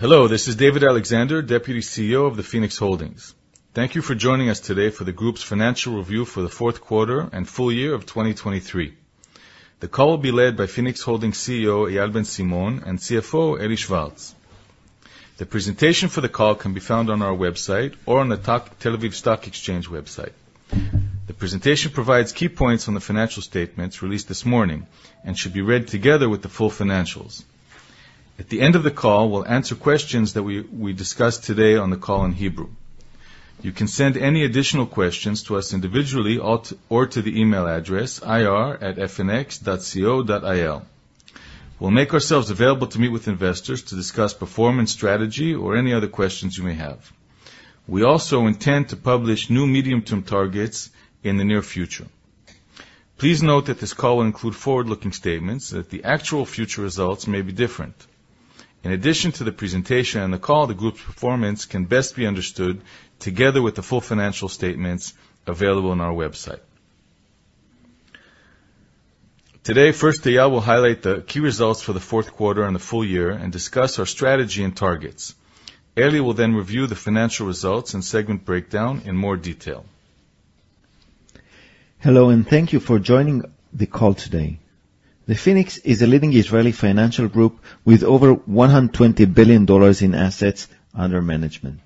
Hello, this is David Alexander, Deputy CEO of Phoenix Holdings. Thank you for joining us today for the group's financial review for the fourth quarter and full year of 2023. The call will be led by Phoenix Holdings CEO, Eyal Ben Simon, and CFO, Eli Schwartz. The presentation for the call can be found on our website or on the Tel Aviv Stock Exchange website. The presentation provides key points on the financial statements released this morning and should be read together with the full financials. At the end of the call, we will answer questions that we discuss today on the call in Hebrew. You can send any additional questions to us individually or to the email address ir@fnx.co.il. We will make ourselves available to meet with investors to discuss performance strategy or any other questions you may have. We also intend to publish new medium-term targets in the near future. Please note that this call will include forward-looking statements that the actual future results may be different. In addition to the presentation and the call, the group's performance can best be understood together with the full financial statements available on our website. Today, first Eyal will highlight the key results for the fourth quarter and the full year and discuss our strategy and targets. Eli will then review the financial results and segment breakdown in more detail. Hello, thank you for joining the call today. The Phoenix is a leading Israeli financial group with over $120 billion in assets under management.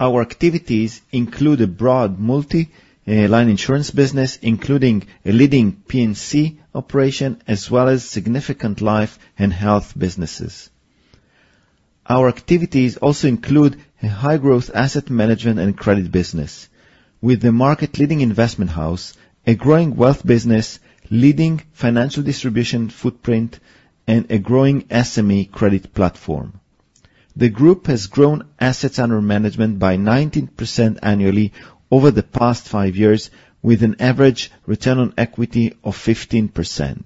Our activities include a broad multi-line insurance business, including a leading P&C operation, as well as significant Life & Health businesses. Our activities also include a high-growth asset management and credit business. With the market-leading investment house, a growing wealth business, leading financial distribution footprint, and a growing SME credit platform. The group has grown assets under management by 19% annually over the past five years, with an average return on equity of 15%.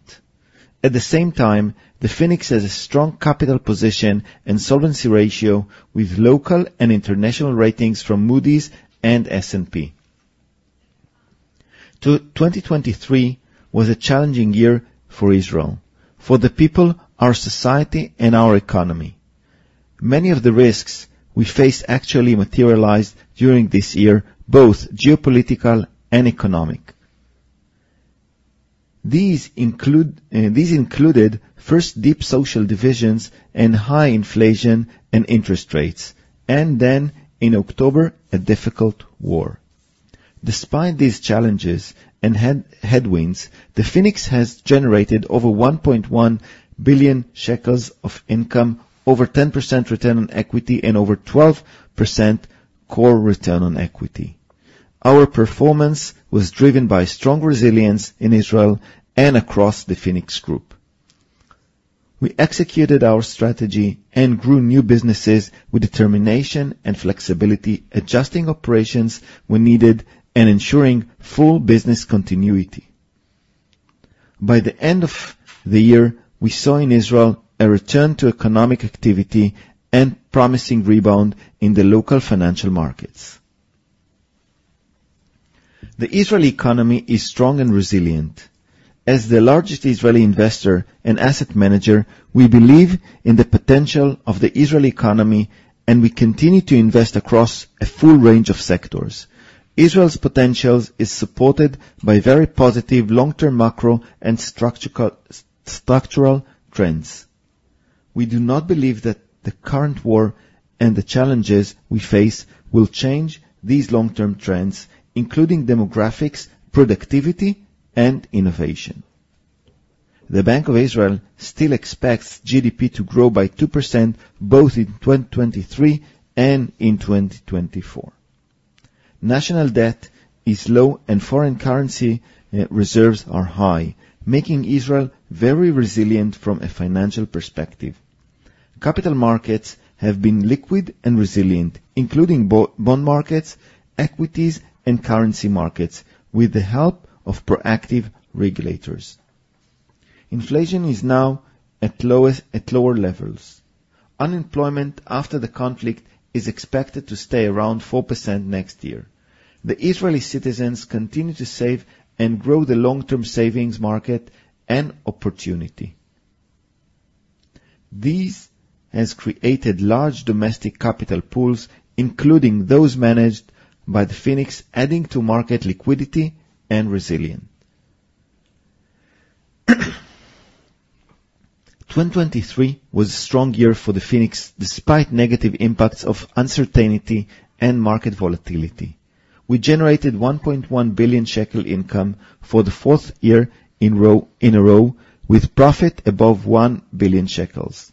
At the same time, the Phoenix has a strong capital position and solvency ratio with local and international ratings from Moody's and S&P. 2023 was a challenging year for Israel, for the people, our society, and our economy. Many of the risks we face actually materialized during this year, both geopolitical and economic. These included first deep social divisions and high inflation and interest rates, and then in October, a difficult war. Despite these challenges and headwinds, the Phoenix has generated over 1.1 billion shekels of income, over 10% return on equity, and over 12% core return on equity. Our performance was driven by strong resilience in Israel and across Phoenix Group. We executed our strategy and grew new businesses with determination and flexibility, adjusting operations when needed, and ensuring full business continuity. By the end of the year, we saw in Israel a return to economic activity and promising rebound in the local financial markets. The Israeli economy is strong and resilient. As the largest Israeli investor and asset manager, we believe in the potential of the Israeli economy. We continue to invest across a full range of sectors. Israel's potentials is supported by very positive long-term macro and structural trends. We do not believe that the current war and the challenges we face will change these long-term trends, including demographics, productivity, and innovation. The Bank of Israel still expects GDP to grow by 2%, both in 2023 and in 2024. National debt is low and foreign currency reserves are high, making Israel very resilient from a financial perspective. Capital markets have been liquid and resilient, including bond markets, equities, and currency markets with the help of proactive regulators. Inflation is now at lower levels. Unemployment after the conflict is expected to stay around 4% next year. The Israeli citizens continue to save and grow the long-term savings market and opportunity. This has created large domestic capital pools, including those managed by the Phoenix, adding to market liquidity and resilience. 2023 was a strong year for the Phoenix, despite negative impacts of uncertainty and market volatility. We generated 1.1 billion shekel income for the fourth year in a row, with profit above 1 billion shekels.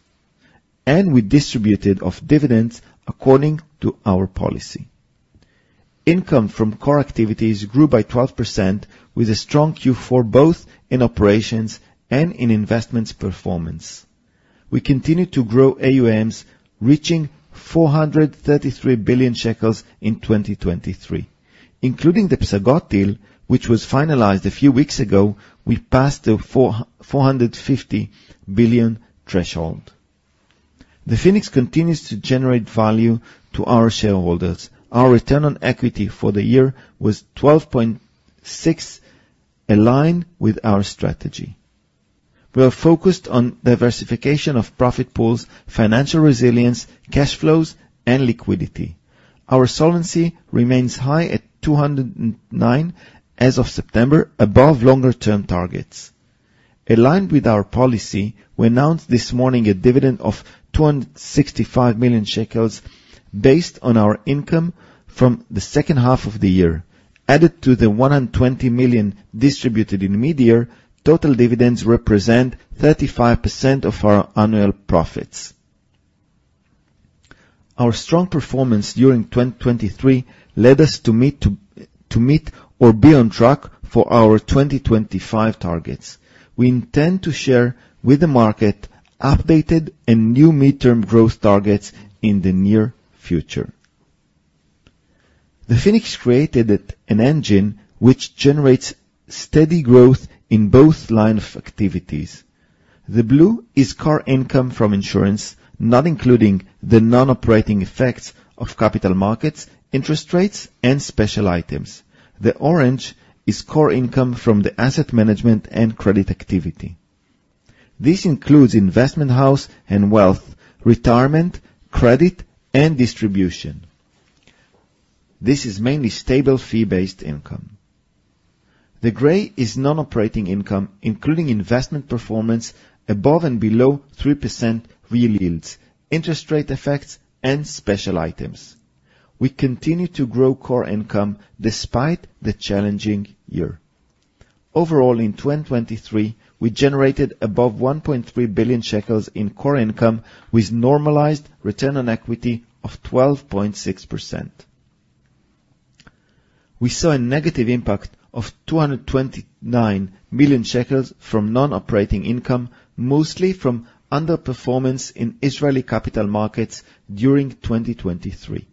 We distributed of dividends according to our policy. Income from core activities grew by 12% with a strong Q4, both in operations and in investments performance. We continued to grow AUMs reaching 433 billion shekels in 2023. Including the Psagot deal, which was finalized a few weeks ago, we passed the 450 billion threshold. The Phoenix continues to generate value to our shareholders. Our return on equity for the year was 12.6%. Aligned with our strategy, we are focused on diversification of profit pools, financial resilience, cash flows, and liquidity. Our solvency remains high at 209 as of September, above longer-term targets. Aligned with our policy, we announced this morning a dividend of 265 million shekels based on our income from the second half of the year. Added to the 120 million distributed in mid-year, total dividends represent 35% of our annual profits. Our strong performance during 2023 led us to meet or be on track for our 2025 targets. We intend to share with the market updated and new midterm growth targets in the near future. The Phoenix created an engine which generates steady growth in both line of activities. The blue is core income from insurance, not including the non-operating effects of capital markets, interest rates, and special items. The orange is core income from the asset management and credit activity. This includes investment house and wealth, retirement, credit, and distribution. This is mainly stable fee-based income. The gray is non-operating income, including investment performance above and below 3% real yields, interest rate effects, and special items. We continue to grow core income despite the challenging year. Overall, in 2023, we generated above 1.3 billion shekels in core income with normalized return on equity of 12.6%. We saw a negative impact of 229 million shekels from non-operating income, mostly from underperformance in Israeli capital markets during 2023.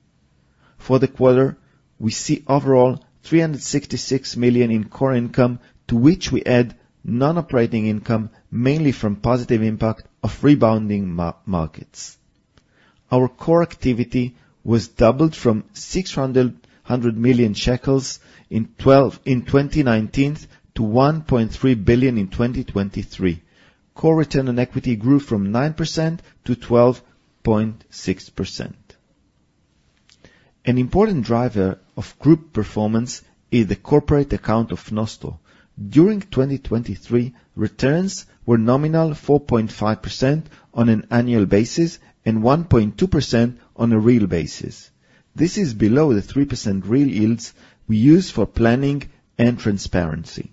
For the quarter, we see overall 366 million in core income, to which we add non-operating income mainly from positive impact of rebounding markets. Our core activity was doubled from 600 million shekels in 2019 to 1.3 billion in 2023. Core return on equity grew from 9% to 12.6%. An important driver of group performance is the corporate account of Nostro. During 2023, returns were nominal 4.5% on an annual basis and 1.2% on a real basis. This is below the 3% real yields we use for planning and transparency.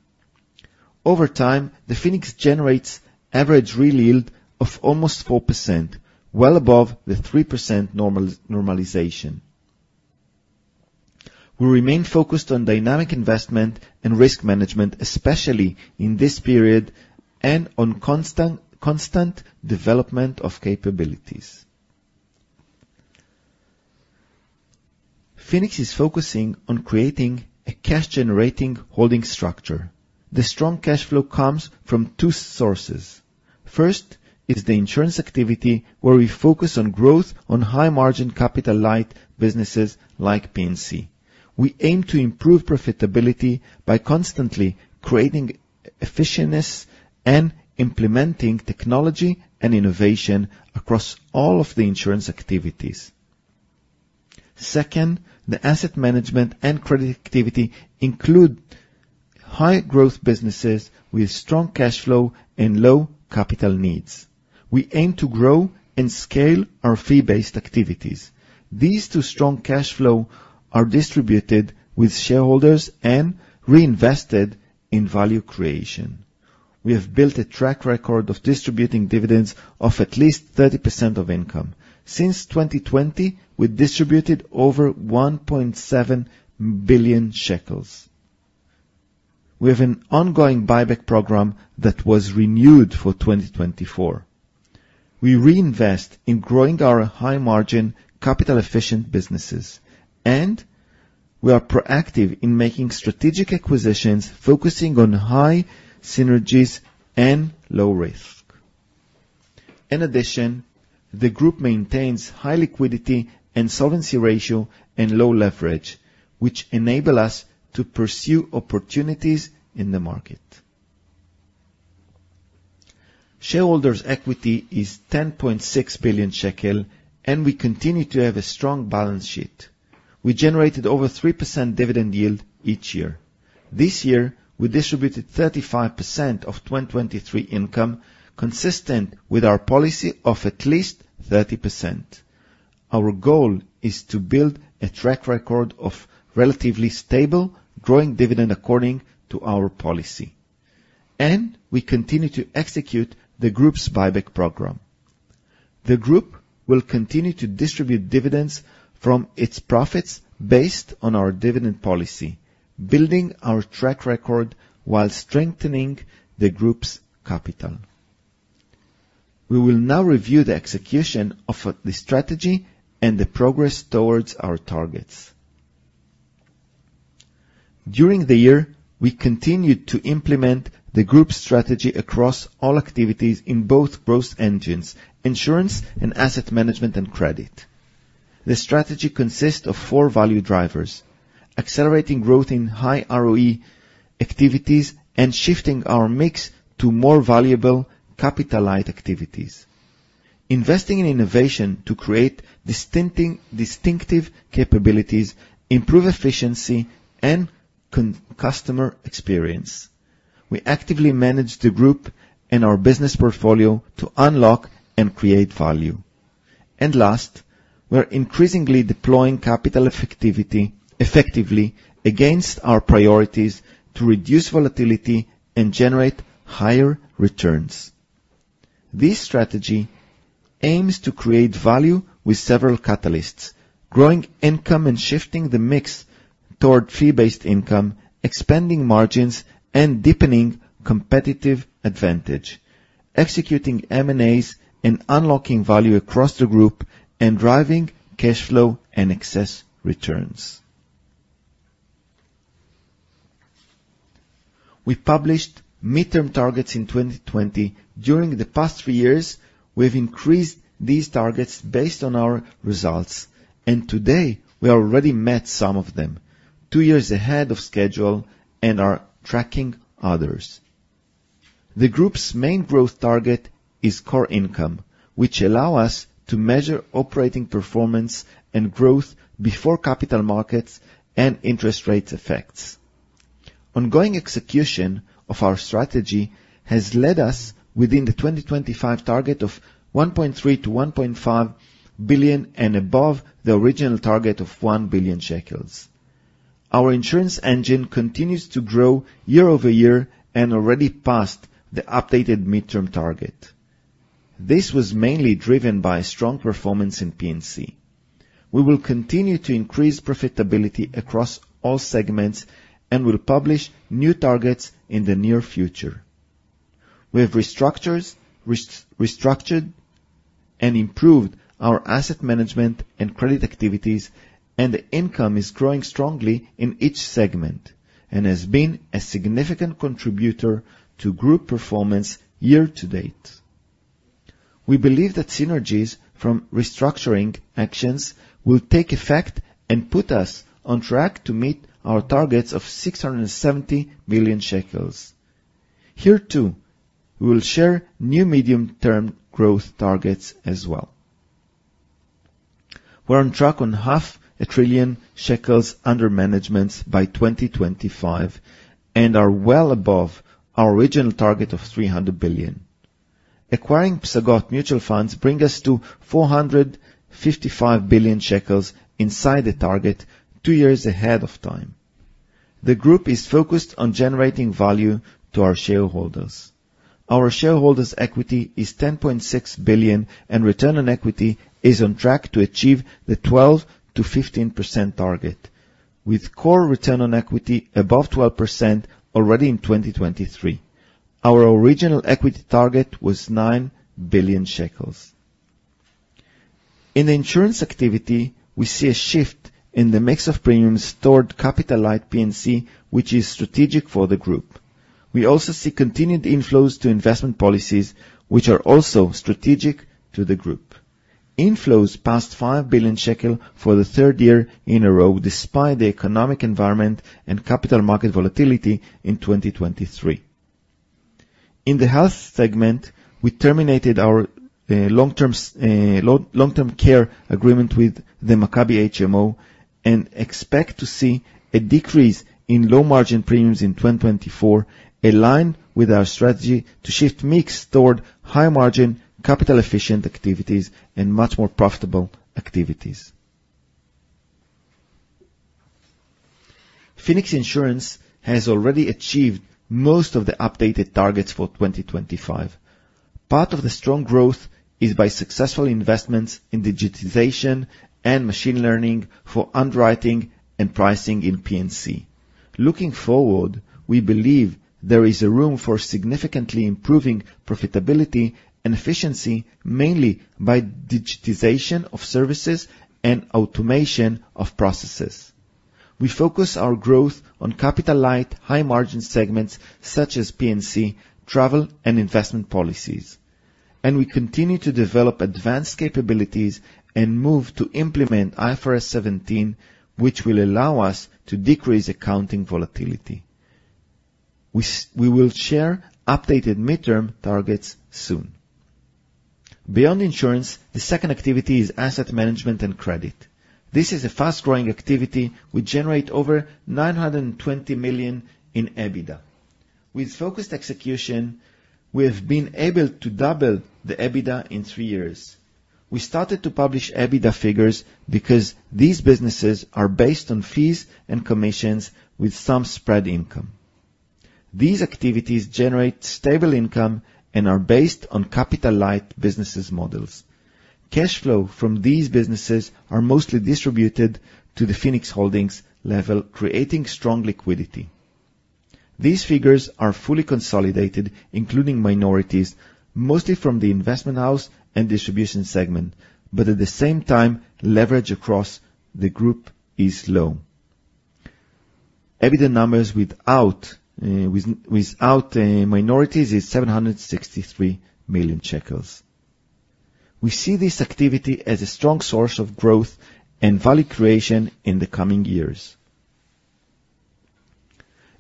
Over time, Phoenix generates average real yield of almost 4%, well above the 3% normalization. We remain focused on dynamic investment and risk management, especially in this period, and on constant development of capabilities. Phoenix is focusing on creating a cash-generating holding structure. The strong cash flow comes from two sources. First is the insurance activity, where we focus on growth on high-margin, capital-light businesses like P&C. We aim to improve profitability by constantly creating efficiencies and implementing technology and innovation across all of the insurance activities. Second, the asset management and credit activity include high-growth businesses with strong cash flow and low capital needs. We aim to grow and scale our fee-based activities. These two strong cash flow are distributed with shareholders and reinvested in value creation. We have built a track record of distributing dividends of at least 30% of income. Since 2020, we distributed over 1.7 billion shekels. We have an ongoing buyback program that was renewed for 2024. We reinvest in growing our high-margin, capital-efficient businesses, and we are proactive in making strategic acquisitions, focusing on high synergies and low risk. In addition, the group maintains high liquidity and solvency ratio and low leverage, which enable us to pursue opportunities in the market. Shareholders' equity is 10.6 billion shekel, and we continue to have a strong balance sheet. We generated over 3% dividend yield each year. This year, we distributed 35% of 2023 income, consistent with our policy of at least 30%. Our goal is to build a track record of relatively stable growing dividend according to our policy, and we continue to execute the group's buyback program. The group will continue to distribute dividends from its profits based on our dividend policy, building our track record while strengthening the group's capital. We will now review the execution of the strategy and the progress towards our targets. During the year, we continued to implement the group strategy across all activities in both growth engines, insurance and asset management and credit. The strategy consists of four value drivers, accelerating growth in high ROE activities and shifting our mix to more valuable capital-light activities. Investing in innovation to create distinctive capabilities, improve efficiency, and customer experience. We actively manage the group and our business portfolio to unlock and create value. Last, we're increasingly deploying capital effectively against our priorities to reduce volatility and generate higher returns. This strategy aims to create value with several catalysts, growing income and shifting the mix toward fee-based income, expanding margins, and deepening competitive advantage, executing M&As and unlocking value across the group, and driving cash flow and excess returns. We published midterm targets in 2020. During the past three years, we've increased these targets based on our results, and today we already met some of them two years ahead of schedule and are tracking others. The group's main growth target is core income, which allow us to measure operating performance and growth before capital markets and interest rates effects. Ongoing execution of our strategy has led us within the 2025 target of 1.3 billion-1.5 billion and above the original target of 1 billion shekels. Our insurance engine continues to grow year-over-year and already passed the updated midterm target. This was mainly driven by strong performance in P&C. We will continue to increase profitability across all segments and will publish new targets in the near future. We have restructured and improved our asset management and credit activities, and the income is growing strongly in each segment and has been a significant contributor to group performance year to date. We believe that synergies from restructuring actions will take effect and put us on track to meet our targets of 670 million shekels. Here too, we will share new medium-term growth targets as well. We are on track on 0.5 trillion shekels under management by 2025 and are well above our original target of 300 billion. Acquiring Psagot Mutual Funds bring us to 455 billion shekels inside the target two years ahead of time. The group is focused on generating value to our shareholders. Our shareholders' equity is 10.6 billion, and return on equity is on track to achieve the 12%-15% target, with core return on equity above 12% already in 2023. Our original equity target was 9 billion shekels. In the insurance activity, we see a shift in the mix of premiums toward capital-light P&C, which is strategic for the group. We also see continued inflows to investment policies, which are also strategic to the group. Inflows passed 5 billion shekel for the third year in a row, despite the economic environment and capital market volatility in 2023. In the Health segment, we terminated our long-term care agreement with the Maccabi HMO and expect to see a decrease in low-margin premiums in 2024, aligned with our strategy to shift mix toward high-margin capital-efficient activities and much more profitable activities. Phoenix Insurance has already achieved most of the updated targets for 2025. Part of the strong growth is by successful investments in digitization and machine learning for underwriting and pricing in P&C. Looking forward, we believe there is a room for significantly improving profitability and efficiency, mainly by digitization of services and automation of processes. We focus our growth on capital-light, high-margin segments such as P&C, travel, and investment policies, and we continue to develop advanced capabilities and move to implement IFRS 17, which will allow us to decrease accounting volatility. We will share updated midterm targets soon. Beyond insurance, the second activity is asset management and credit. This is a fast-growing activity. We generate over 920 million in EBITDA. With focused execution, we have been able to double the EBITDA in three years. We started to publish EBITDA figures because these businesses are based on fees and commissions with some spread income. These activities generate stable income and are based on capital-light business models. Cash flow from these businesses are mostly distributed to the Phoenix Holdings level, creating strong liquidity. These figures are fully consolidated, including minorities, mostly from the investment house and distribution segment, but at the same time, leverage across the group is low. EBITDA numbers without minorities is 763 million shekels. We see this activity as a strong source of growth and value creation in the coming years.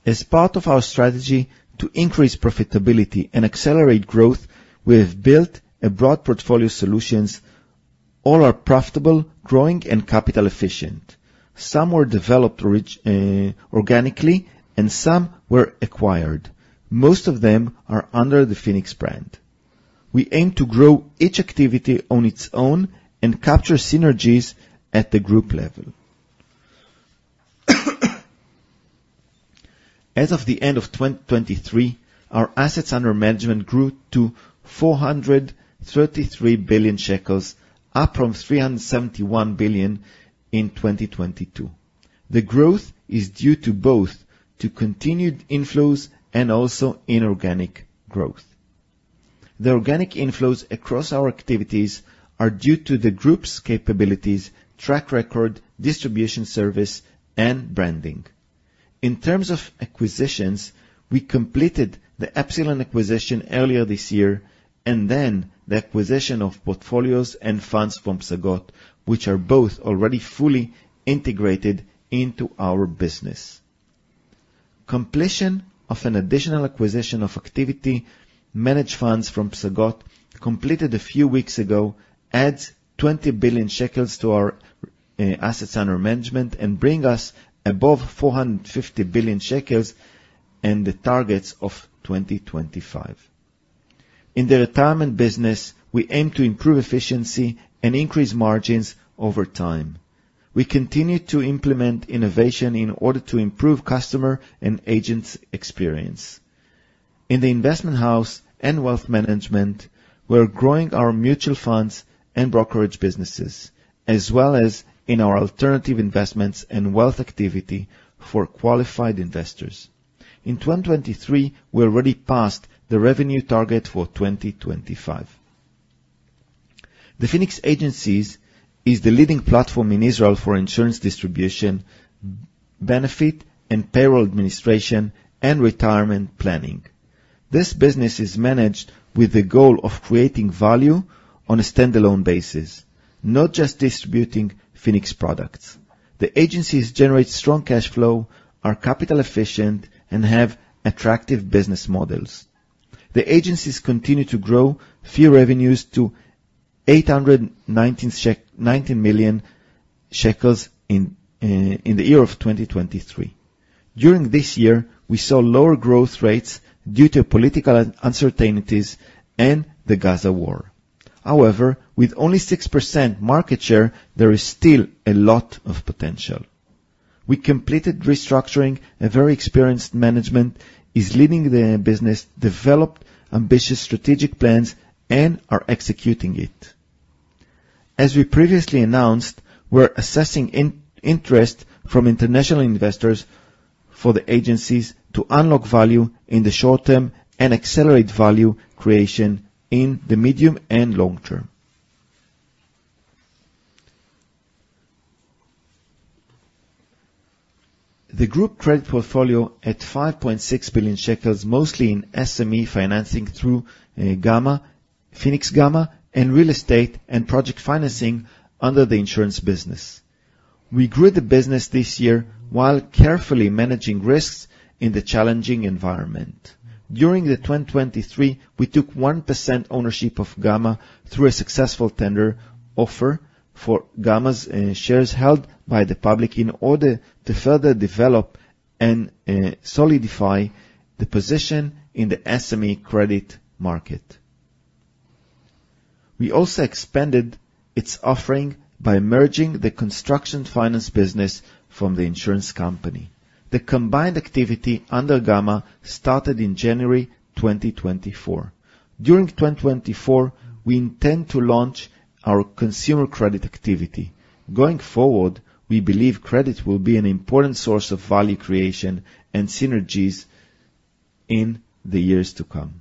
As part of our strategy to increase profitability and accelerate growth, we have built a broad portfolio solutions, all are profitable, growing and capital efficient. Some were developed organically and some were acquired. Most of them are under the Phoenix brand. We aim to grow each activity on its own and capture synergies at the group level. As of the end of 2023, our assets under management grew to 433 billion shekels, up from 371 billion in 2022. The growth is due both to continued inflows and also inorganic growth. The organic inflows across our activities are due to the group's capabilities, track record, distribution service, and branding. In terms of acquisitions, we completed the Epsilon acquisition earlier this year and then the acquisition of portfolios and funds from Psagot, which are both already fully integrated into our business. Completion of an additional acquisition of activity, manage funds from Psagot, completed a few weeks ago, adds 20 billion shekels to our assets under management and bring us above 450 billion shekels and the targets of 2025. In the retirement business, we aim to improve efficiency and increase margins over time. We continue to implement innovation in order to improve customer and agents experience. In the investment house and wealth management, we're growing our mutual funds and Brokerage businesses, as well as in our alternative investments and wealth activity for qualified investors. In 2023, we already passed the revenue target for 2025. The Phoenix Agencies is the leading platform in Israel for insurance distribution, benefit and payroll administration, and retirement planning. This business is managed with the goal of creating value on a standalone basis, not just distributing Phoenix products. The agencies generate strong cash flow, are capital efficient, and have attractive business models. The agencies continue to grow fee revenues to 819 million shekels in the year of 2023. During this year, we saw lower growth rates due to political uncertainties and the Gaza war. However, with only 6% market share, there is still a lot of potential. We completed restructuring. A very experienced management is leading the business, developed ambitious strategic plans and are executing it. As we previously announced, we're assessing interest from international investors for the agencies to unlock value in the short term and accelerate value creation in the medium and long term. The group credit portfolio at 5.6 billion shekels, mostly in SME financing through Gama, Phoenix-Gama, and real estate and project financing under the insurance business. We grew the business this year while carefully managing risks in the challenging environment. During the 2023, we took 1% ownership of Gama through a successful tender offer for Gama's shares held by the public in order to further develop and solidify the position in the SME credit market. We also expanded its offering by merging the construction finance business from the insurance company. The combined activity under Gama started in January 2024. During 2024, we intend to launch our consumer credit activity. Going forward, we believe credit will be an important source of value creation and synergies in the years to come.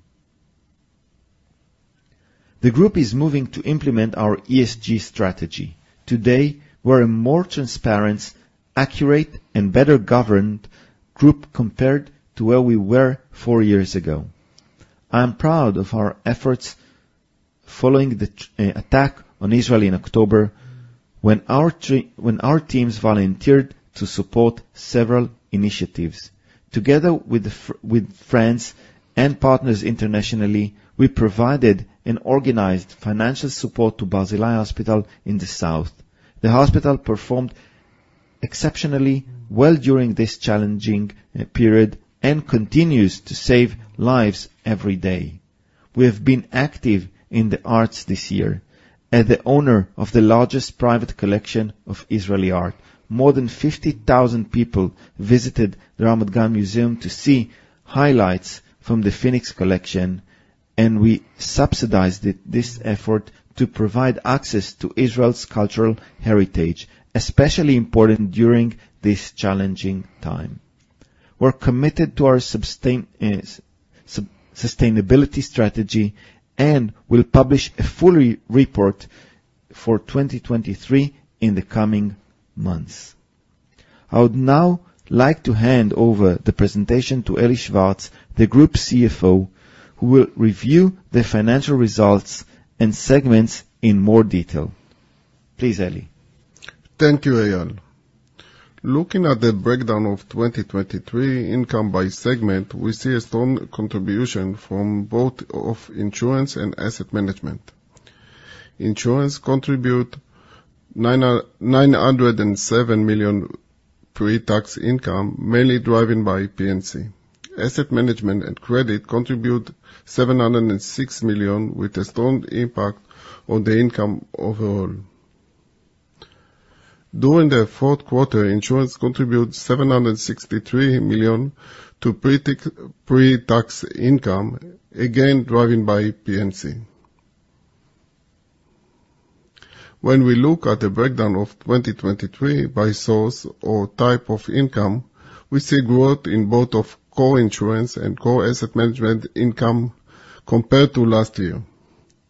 The group is moving to implement our ESG strategy. Today, we're a more transparent, accurate, and better-governed group compared to where we were four years ago. I am proud of our efforts following the attack on Israel in October when our teams volunteered to support several initiatives. Together with friends and partners internationally, we provided and organized financial support to Barzilai Hospital in the south. The hospital performed exceptionally well during this challenging period and continues to save lives every day. We have been active in the arts this year as the owner of the largest private collection of Israeli art. More than 50,000 people visited the Ramat Gan Museum to see highlights from the Phoenix collection. We subsidized this effort to provide access to Israel's cultural heritage, especially important during this challenging time. We're committed to our sustainability strategy, and will publish a full report for 2023 in the coming months. I would now like to hand over the presentation to Eli Schwartz, the Group CFO, who will review the financial results and segments in more detail. Please, Eli. Thank you, Eyal. Looking at the breakdown of 2023 income by segment, we see a strong contribution from both insurance and asset management. Insurance contribute 907 million pre-tax income, mainly driven by P&C. Asset management and credit contribute 706 million, with a strong impact on the income overall. During the fourth quarter, insurance contributed 763 million to pre-tax income, again, driven by P&C. We look at the breakdown of 2023 by source or type of income, we see growth in both of core insurance and core asset management income compared to last year.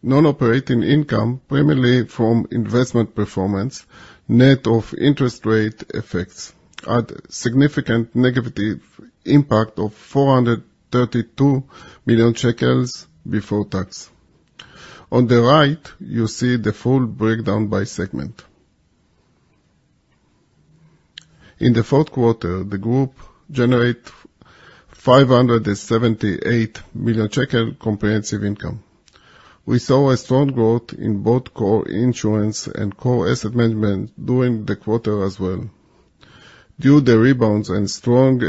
Non-operating income, primarily from investment performance, net of interest rate effects, had a significant negative impact of 432 million shekels before tax. On the right, you see the full breakdown by segment. In the fourth quarter, the group generate 578 million shekel comprehensive income. We saw a strong growth in both core insurance and core asset management during the quarter as well. Due the rebounds and strong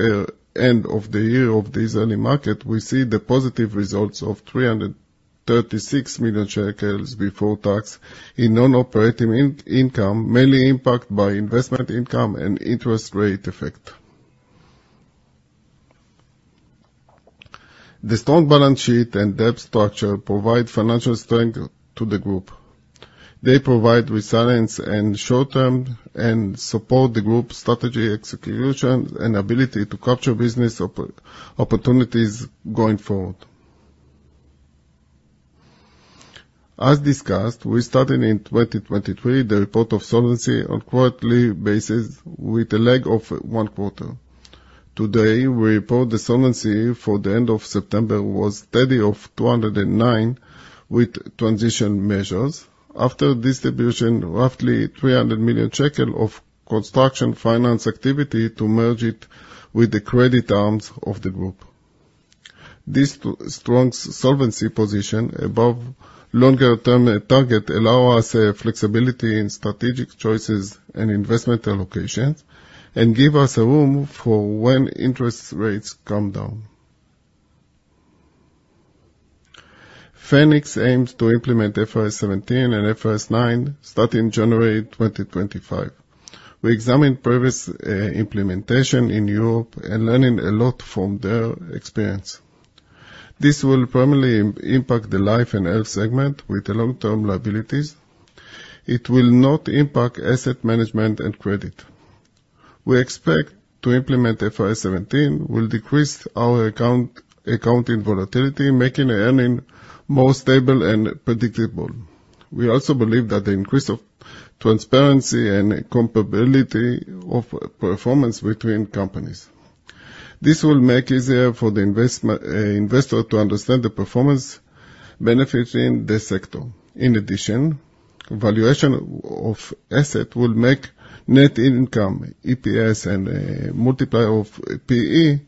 end of the year of the Israeli market, we see the positive results of 336 million shekels before tax in non-operating income, mainly impact by investment income and interest rate effect. The strong balance sheet and debt structure provide financial strength to the group. They provide resilience in short-term and support the group's strategy execution and ability to capture business opportunities going forward. As discussed, we started in 2023, the report of solvency on quarterly basis with a lag of one quarter. Today, we report the solvency for the end of September was steady of 209 with transition measures. After distribution, roughly 300 million shekel of construction finance activity to merge it with the credit arms of the group. This strong solvency position above longer-term target allow us flexibility in strategic choices and investment allocations and give us a room for when interest rates come down. Phoenix aims to implement IFRS 17 and IFRS 9 starting January 2025. We examine previous implementation in Europe and learning a lot from their experience. This will primarily impact the Life & Health segment with the long-term liabilities. It will not impact asset management and credit. We expect to implement IFRS 17 will decrease our accounting volatility, making earning more stable and predictable. We also believe that the increase of transparency and comparability of performance between companies. This will make easier for the investor to understand the performance benefits in this sector. In addition, valuation of asset will make net income, EPS, and a multiplier of PE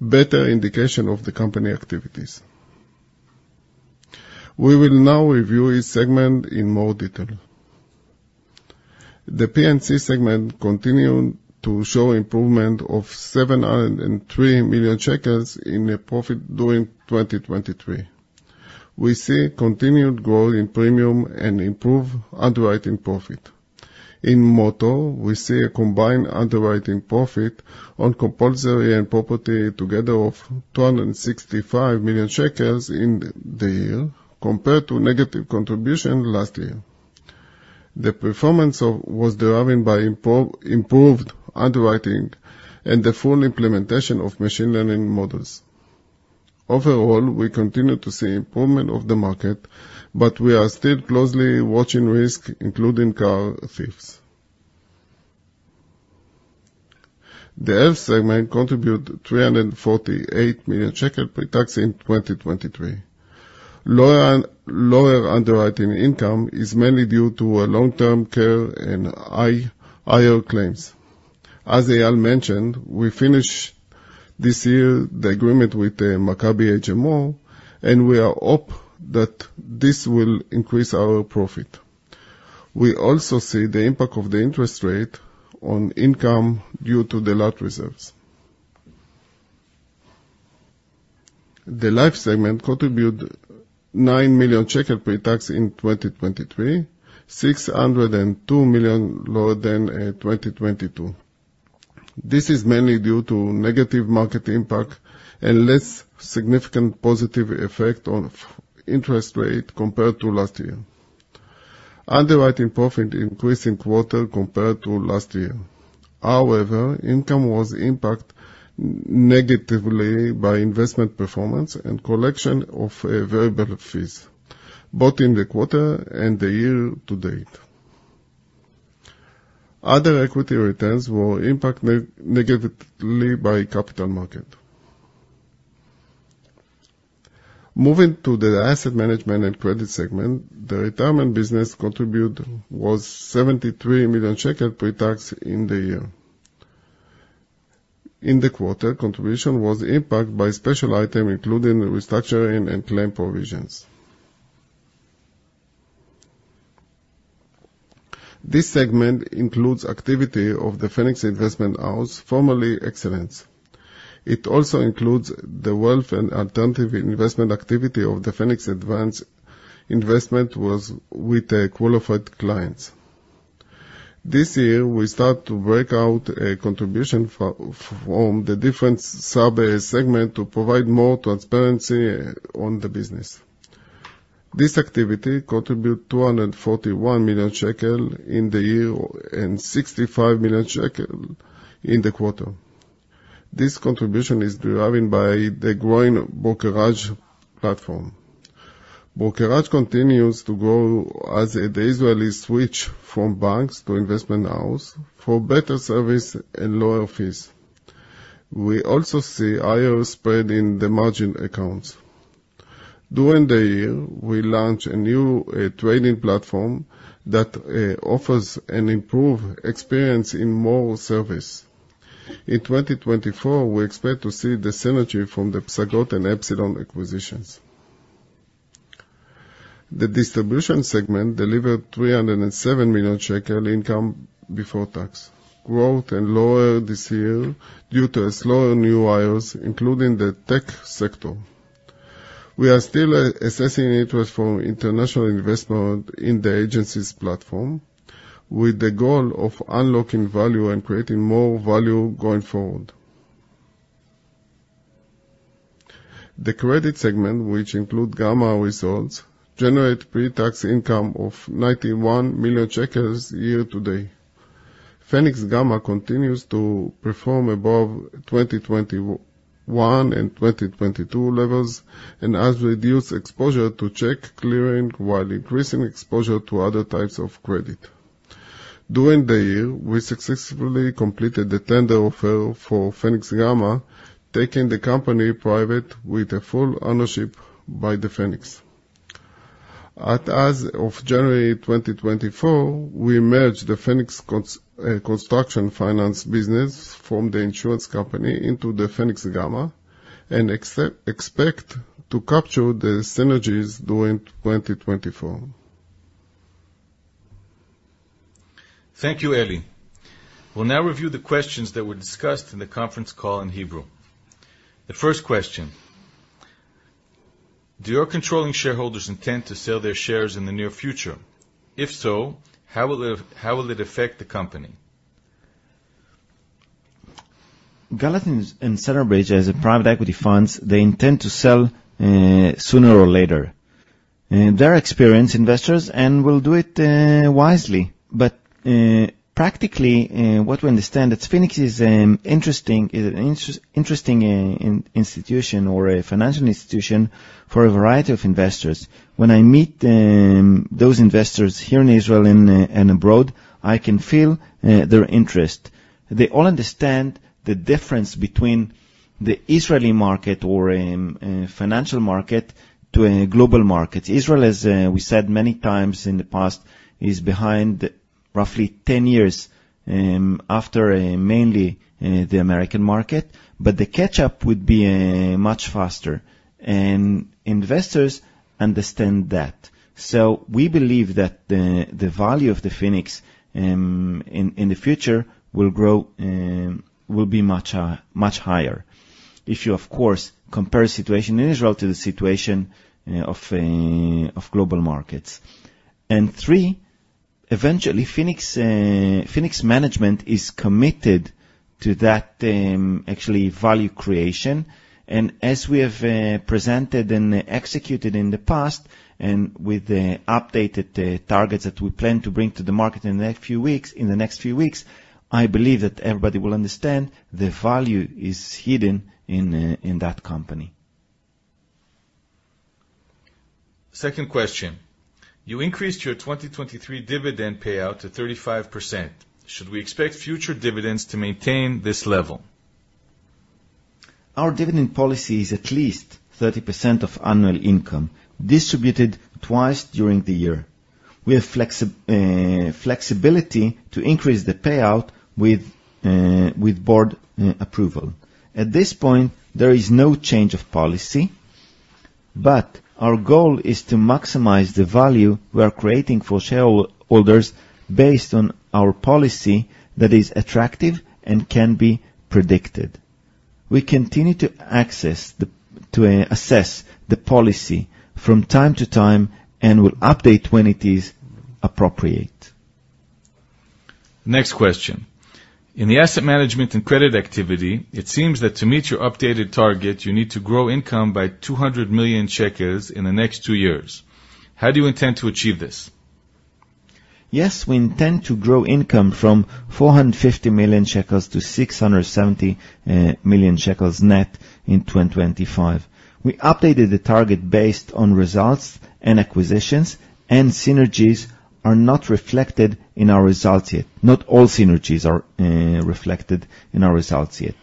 better indication of the company activities. We will now review each segment in more detail. The P&C segment continued to show improvement of 703 million shekels in profit during 2023. We see continued growth in premium and improved underwriting profit. In motor, we see a combined underwriting profit on compulsory and property together of 265 million shekels in the year, compared to negative contribution last year. The performance was driven by improved underwriting and the full implementation of machine learning models. Overall, we continue to see improvement of the market, but we are still closely watching risk, including car thieves. The Health segment contribute 348 million shekel pre-tax in 2023. Lower underwriting income is mainly due to a long-term care and higher claims. As Eyal mentioned, we finish this year the agreement with the Maccabi HMO, and we are hope that this will increase our profit. We also see the impact of the interest rate on income due to the large reserves. The Life segment contribute 9 million shekel pre-tax in 2023, 602 million lower than 2022. This is mainly due to negative market impact and less significant positive effect of interest rate compared to last year. Underwriting profit increased in quarter compared to last year. However, income was impacted negatively by investment performance and collection of variable fees, both in the quarter and the year to date. Other equity returns were impacted negatively by capital market. Moving to the asset management and credit segment, the retirement business contribute was 73 million shekel pre-tax in the year. In the quarter, contribution was impacted by special item, including the restructuring and claim provisions. This segment includes activity of the Phoenix Investment House, formerly Excellence. It also includes the wealth and alternative investment activity of the Phoenix Advanced Investments with qualified clients. This year, we start to break out a contribution from the different sub-segment to provide more transparency on the business. This activity contribute 241 million shekel in the year and 65 million shekel in the quarter. This contribution is driven by the growing Brokerage platform. Brokerage continues to grow as the Israelis switch from banks to investment house for better service and lower fees. We also see higher spread in the margin accounts. During the year, we launched a new trading platform that offers an improved experience in more service. In 2024, we expect to see the synergy from the Psagot and Epsilon acquisitions. The distribution segment delivered 307 million shekel income before tax. Growth and lower this year due to slower new hires, including the tech sector. We are still assessing interest from international investment in the agencies platform with the goal of unlocking value and creating more value going forward. The credit segment, which include Gama results, generate pre-tax income of 91 million year to date. Phoenix-Gama continues to perform above 2021 and 2022 levels and has reduced exposure to check clearing while increasing exposure to other types of credit. During the year, we successfully completed the tender offer for Phoenix-Gama, taking the company private with a full ownership by the Phoenix. As of January 2024, we merged the Phoenix Construction Finance business from the insurance company into the Phoenix-Gama and expect to capture the synergies during 2024. Thank you, Eli. We'll now review the questions that were discussed in the conference call in Hebrew. The first question: Do your controlling shareholders intend to sell their shares in the near future? If so, how will it affect the company? Gallatin and Centerbridge, as private equity funds, they intend to sell sooner or later. They're experienced investors and will do it wisely. Practically, what we understand is Phoenix is an interesting institution or a financial institution for a variety of investors. When I meet those investors here in Israel and abroad, I can feel their interest. They all understand the difference between the Israeli market or financial market to a global market. Israel, as we said many times in the past, is behind roughly 10 years after mainly the American market, the catch-up would be much faster, and investors understand that. We believe that the value of the Phoenix in the future will be much higher. If you, of course, compare situation in Israel to the situation of global markets. Three, eventually, Phoenix management is committed to that actually value creation. As we have presented and executed in the past and with the updated targets that we plan to bring to the market in the next few weeks, I believe that everybody will understand the value is hidden in that company. Second question. You increased your 2023 dividend payout to 35%. Should we expect future dividends to maintain this level? Our dividend policy is at least 30% of annual income distributed twice during the year. We have flexibility to increase the payout with board approval. At this point, there is no change of policy, but our goal is to maximize the value we are creating for shareholders based on our policy that is attractive and can be predicted. We continue to assess the policy from time to time and will update when it is appropriate. Next question. In the asset management and credit activity, it seems that to meet your updated target, you need to grow income by 200 million shekels in the next two years. How do you intend to achieve this? Yes, we intend to grow income from 450 million shekels to 670 million shekels net in 2025. We updated the target based on results and acquisitions. Synergies are not reflected in our results yet. Not all synergies are reflected in our results yet.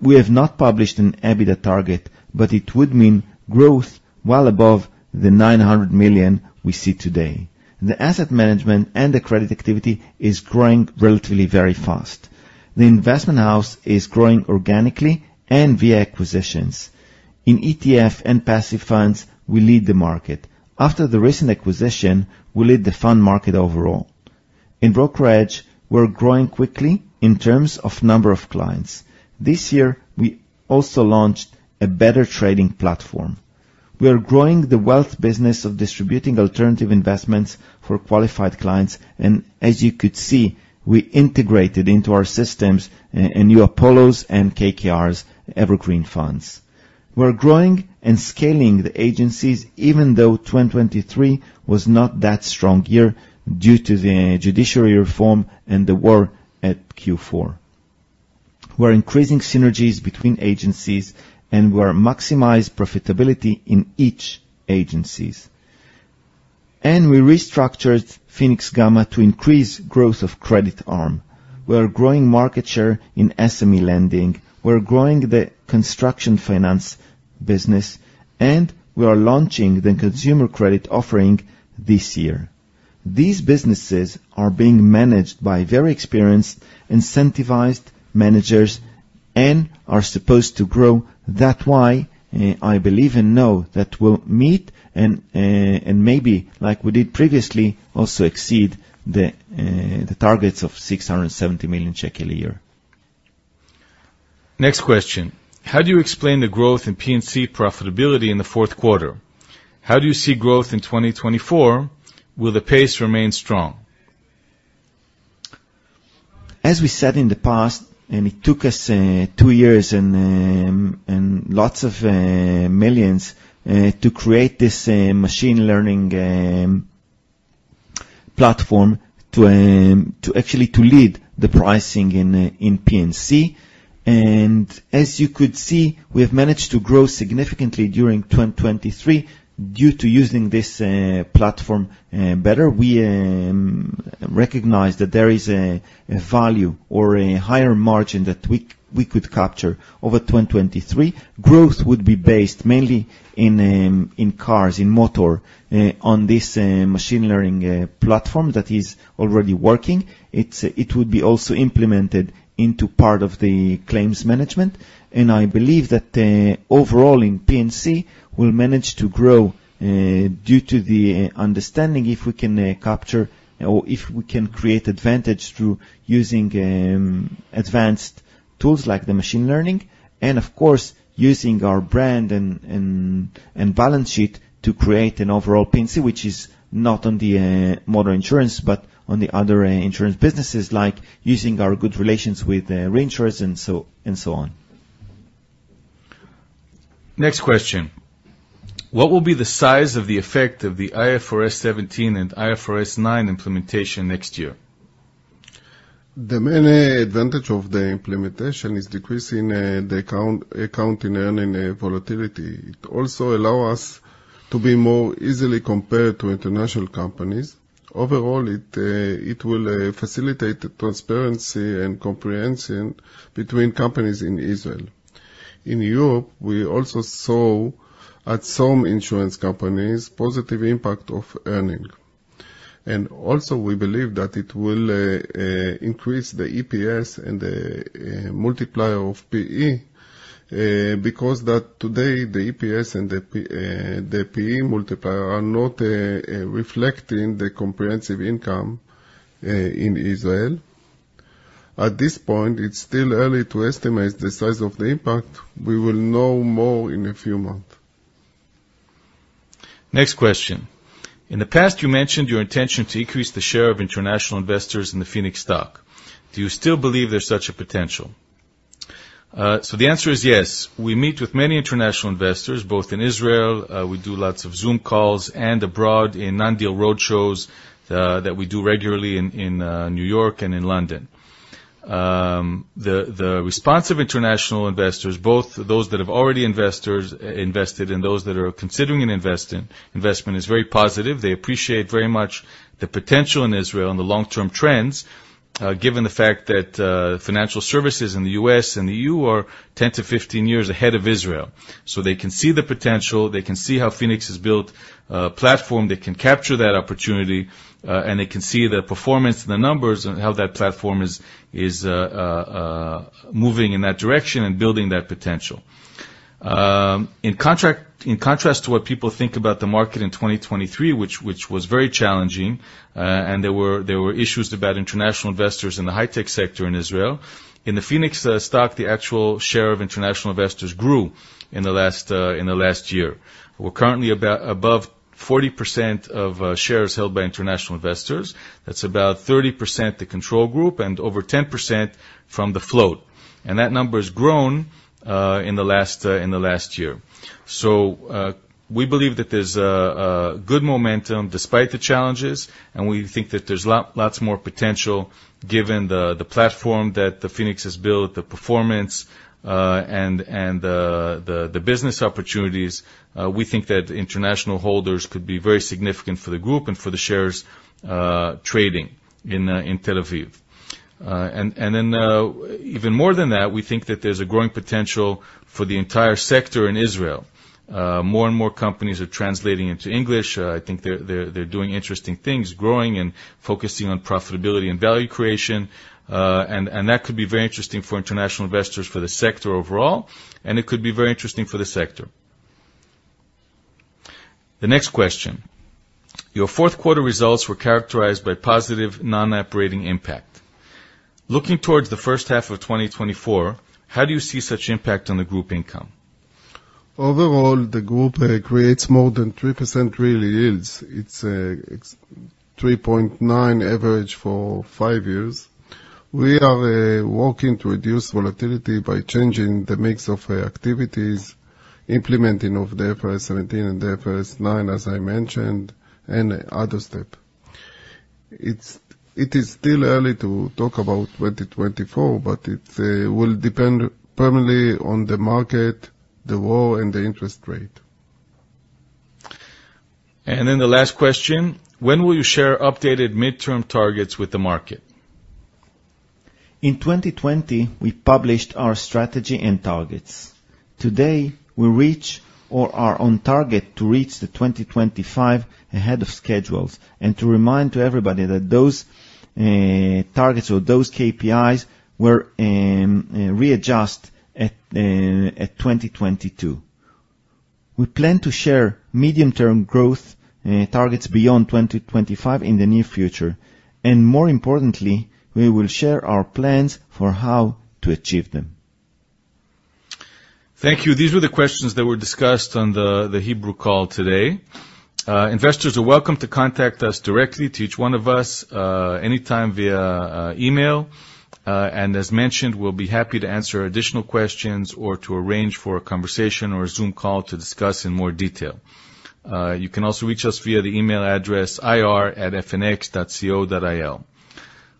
We have not published an EBITDA target, but it would mean growth well above the 900 million we see today. The asset management and the credit activity is growing relatively very fast. The Phoenix Investment House is growing organically and via acquisitions. In ETF and passive funds, we lead the market. After the recent acquisition, we lead the fund market overall. In Brokerage, we're growing quickly in terms of number of clients. This year, we also launched a better trading platform. We are growing the wealth business of distributing alternative investments for qualified clients. As you could see, we integrated into our systems in new Apollos and KKR's evergreen funds. We're growing and scaling the agencies, even though 2023 was not that strong year due to the judiciary reform and the war at Q4. We're increasing synergies between agencies. We maximize profitability in each agencies. We restructured Phoenix-Gama to increase growth of credit arm. We are growing market share in SME lending. We're growing the Construction Finance business. We are launching the consumer credit offering this year. These businesses are being managed by very experienced, incentivized managers and are supposed to grow. That's why I believe and know that we'll meet and maybe, like we did previously, also exceed the targets of 670 million shekel a year. Next question. How do you explain the growth in P&C profitability in the fourth quarter? How do you see growth in 2024? Will the pace remain strong? We said in the past, it took us two years and lots of millions to create this machine learning platform to actually to lead the pricing in P&C. As you could see, we have managed to grow significantly during 2023 due to using this platform better. We recognize that there is a value or a higher margin that we could capture over 2023. Growth would be based mainly in cars, in motor, on this machine learning platform that is already working. It would be also implemented into part of the claims management, I believe that overall in P&C, we'll manage to grow due to the understanding, if we can capture or if we can create advantage through using advanced tools like the machine learning, of course, using our brand and balance sheet to create an overall P&C, which is not on the motor insurance, but on the other insurance businesses, like using our good relations with reinsurers and so on. Next question. What will be the size of the effect of the IFRS 17 and IFRS 9 implementation next year? The main advantage of the implementation is decreasing the accounting volatility. It also allow us to be more easily compared to international companies. Overall, it will facilitate the transparency and comprehension between companies in Israel. In Europe, we also saw at some insurance companies, positive impact of earning. Also, we believe that it will increase the EPS and the multiplier of PE, because that today, the EPS and the PE multiplier are not reflecting the comprehensive income in Israel. At this point, it's still early to estimate the size of the impact. We will know more in a few months. Next question. In the past, you mentioned your intention to increase the share of international investors in the Phoenix stock. Do you still believe there's such a potential? The answer is yes. We meet with many international investors, both in Israel, we do lots of Zoom calls, and abroad in non-deal roadshows that we do regularly in New York and in London. The response of international investors, both those that have already invested and those that are considering an investment, is very positive. They appreciate very much the potential in Israel and the long-term trends, given the fact that financial services in the U.S. and the E.U. are 10-15 years ahead of Israel. They can see the potential, they can see how Phoenix has built a platform that can capture that opportunity, and they can see the performance and the numbers and how that platform is moving in that direction and building that potential. In contrast to what people think about the market in 2023, which was very challenging, and there were issues about international investors in the high-tech sector in Israel. In the Phoenix stock, the actual share of international investors grew in the last year. We're currently above 40% of shares held by international investors. That's about 30% the control group, and over 10% from the float. That number has grown in the last year. We believe that there's good momentum despite the challenges, and we think that there's lots more potential given the platform that Phoenix has built, the performance, and the business opportunities. We think that international holders could be very significant for the group and for the shares trading in Tel Aviv. Even more than that, we think that there's a growing potential for the entire sector in Israel. More and more companies are translating into English. I think they're doing interesting things, growing and focusing on profitability and value creation. That could be very interesting for international investors for the sector overall, and it could be very interesting for the sector. The next question. Your fourth quarter results were characterized by positive non-operating impact. Looking towards the first half of 2024, how do you see such impact on the group income? Overall, the group creates more than 3% real yields. It's 3.9% average for five years. We are working to reduce volatility by changing the mix of activities, implementing of the IFRS 17 and the IFRS 9, as I mentioned, and other step. It is still early to talk about 2024, but it will depend primarily on the market, the war, and the interest rate. The last question. When will you share updated midterm targets with the market? In 2020, we published our strategy and targets. Today, we reach or are on target to reach the 2025 ahead of schedules to remind to everybody that those targets or those KPIs were readjust at 2022. We plan to share medium-term growth targets beyond 2025 in the near future, more importantly, we will share our plans for how to achieve them. Thank you. These were the questions that were discussed on the Hebrew call today. Investors are welcome to contact us directly, to each one of us, anytime via email. As mentioned, we'll be happy to answer additional questions or to arrange for a conversation or a Zoom call to discuss in more detail. You can also reach us via the email address ir@fnx.co.il.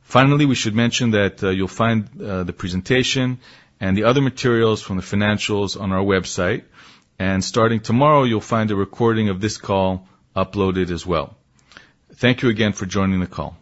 Finally, we should mention that you'll find the presentation and the other materials from the financials on our website. Starting tomorrow, you'll find a recording of this call uploaded as well. Thank you again for joining the call.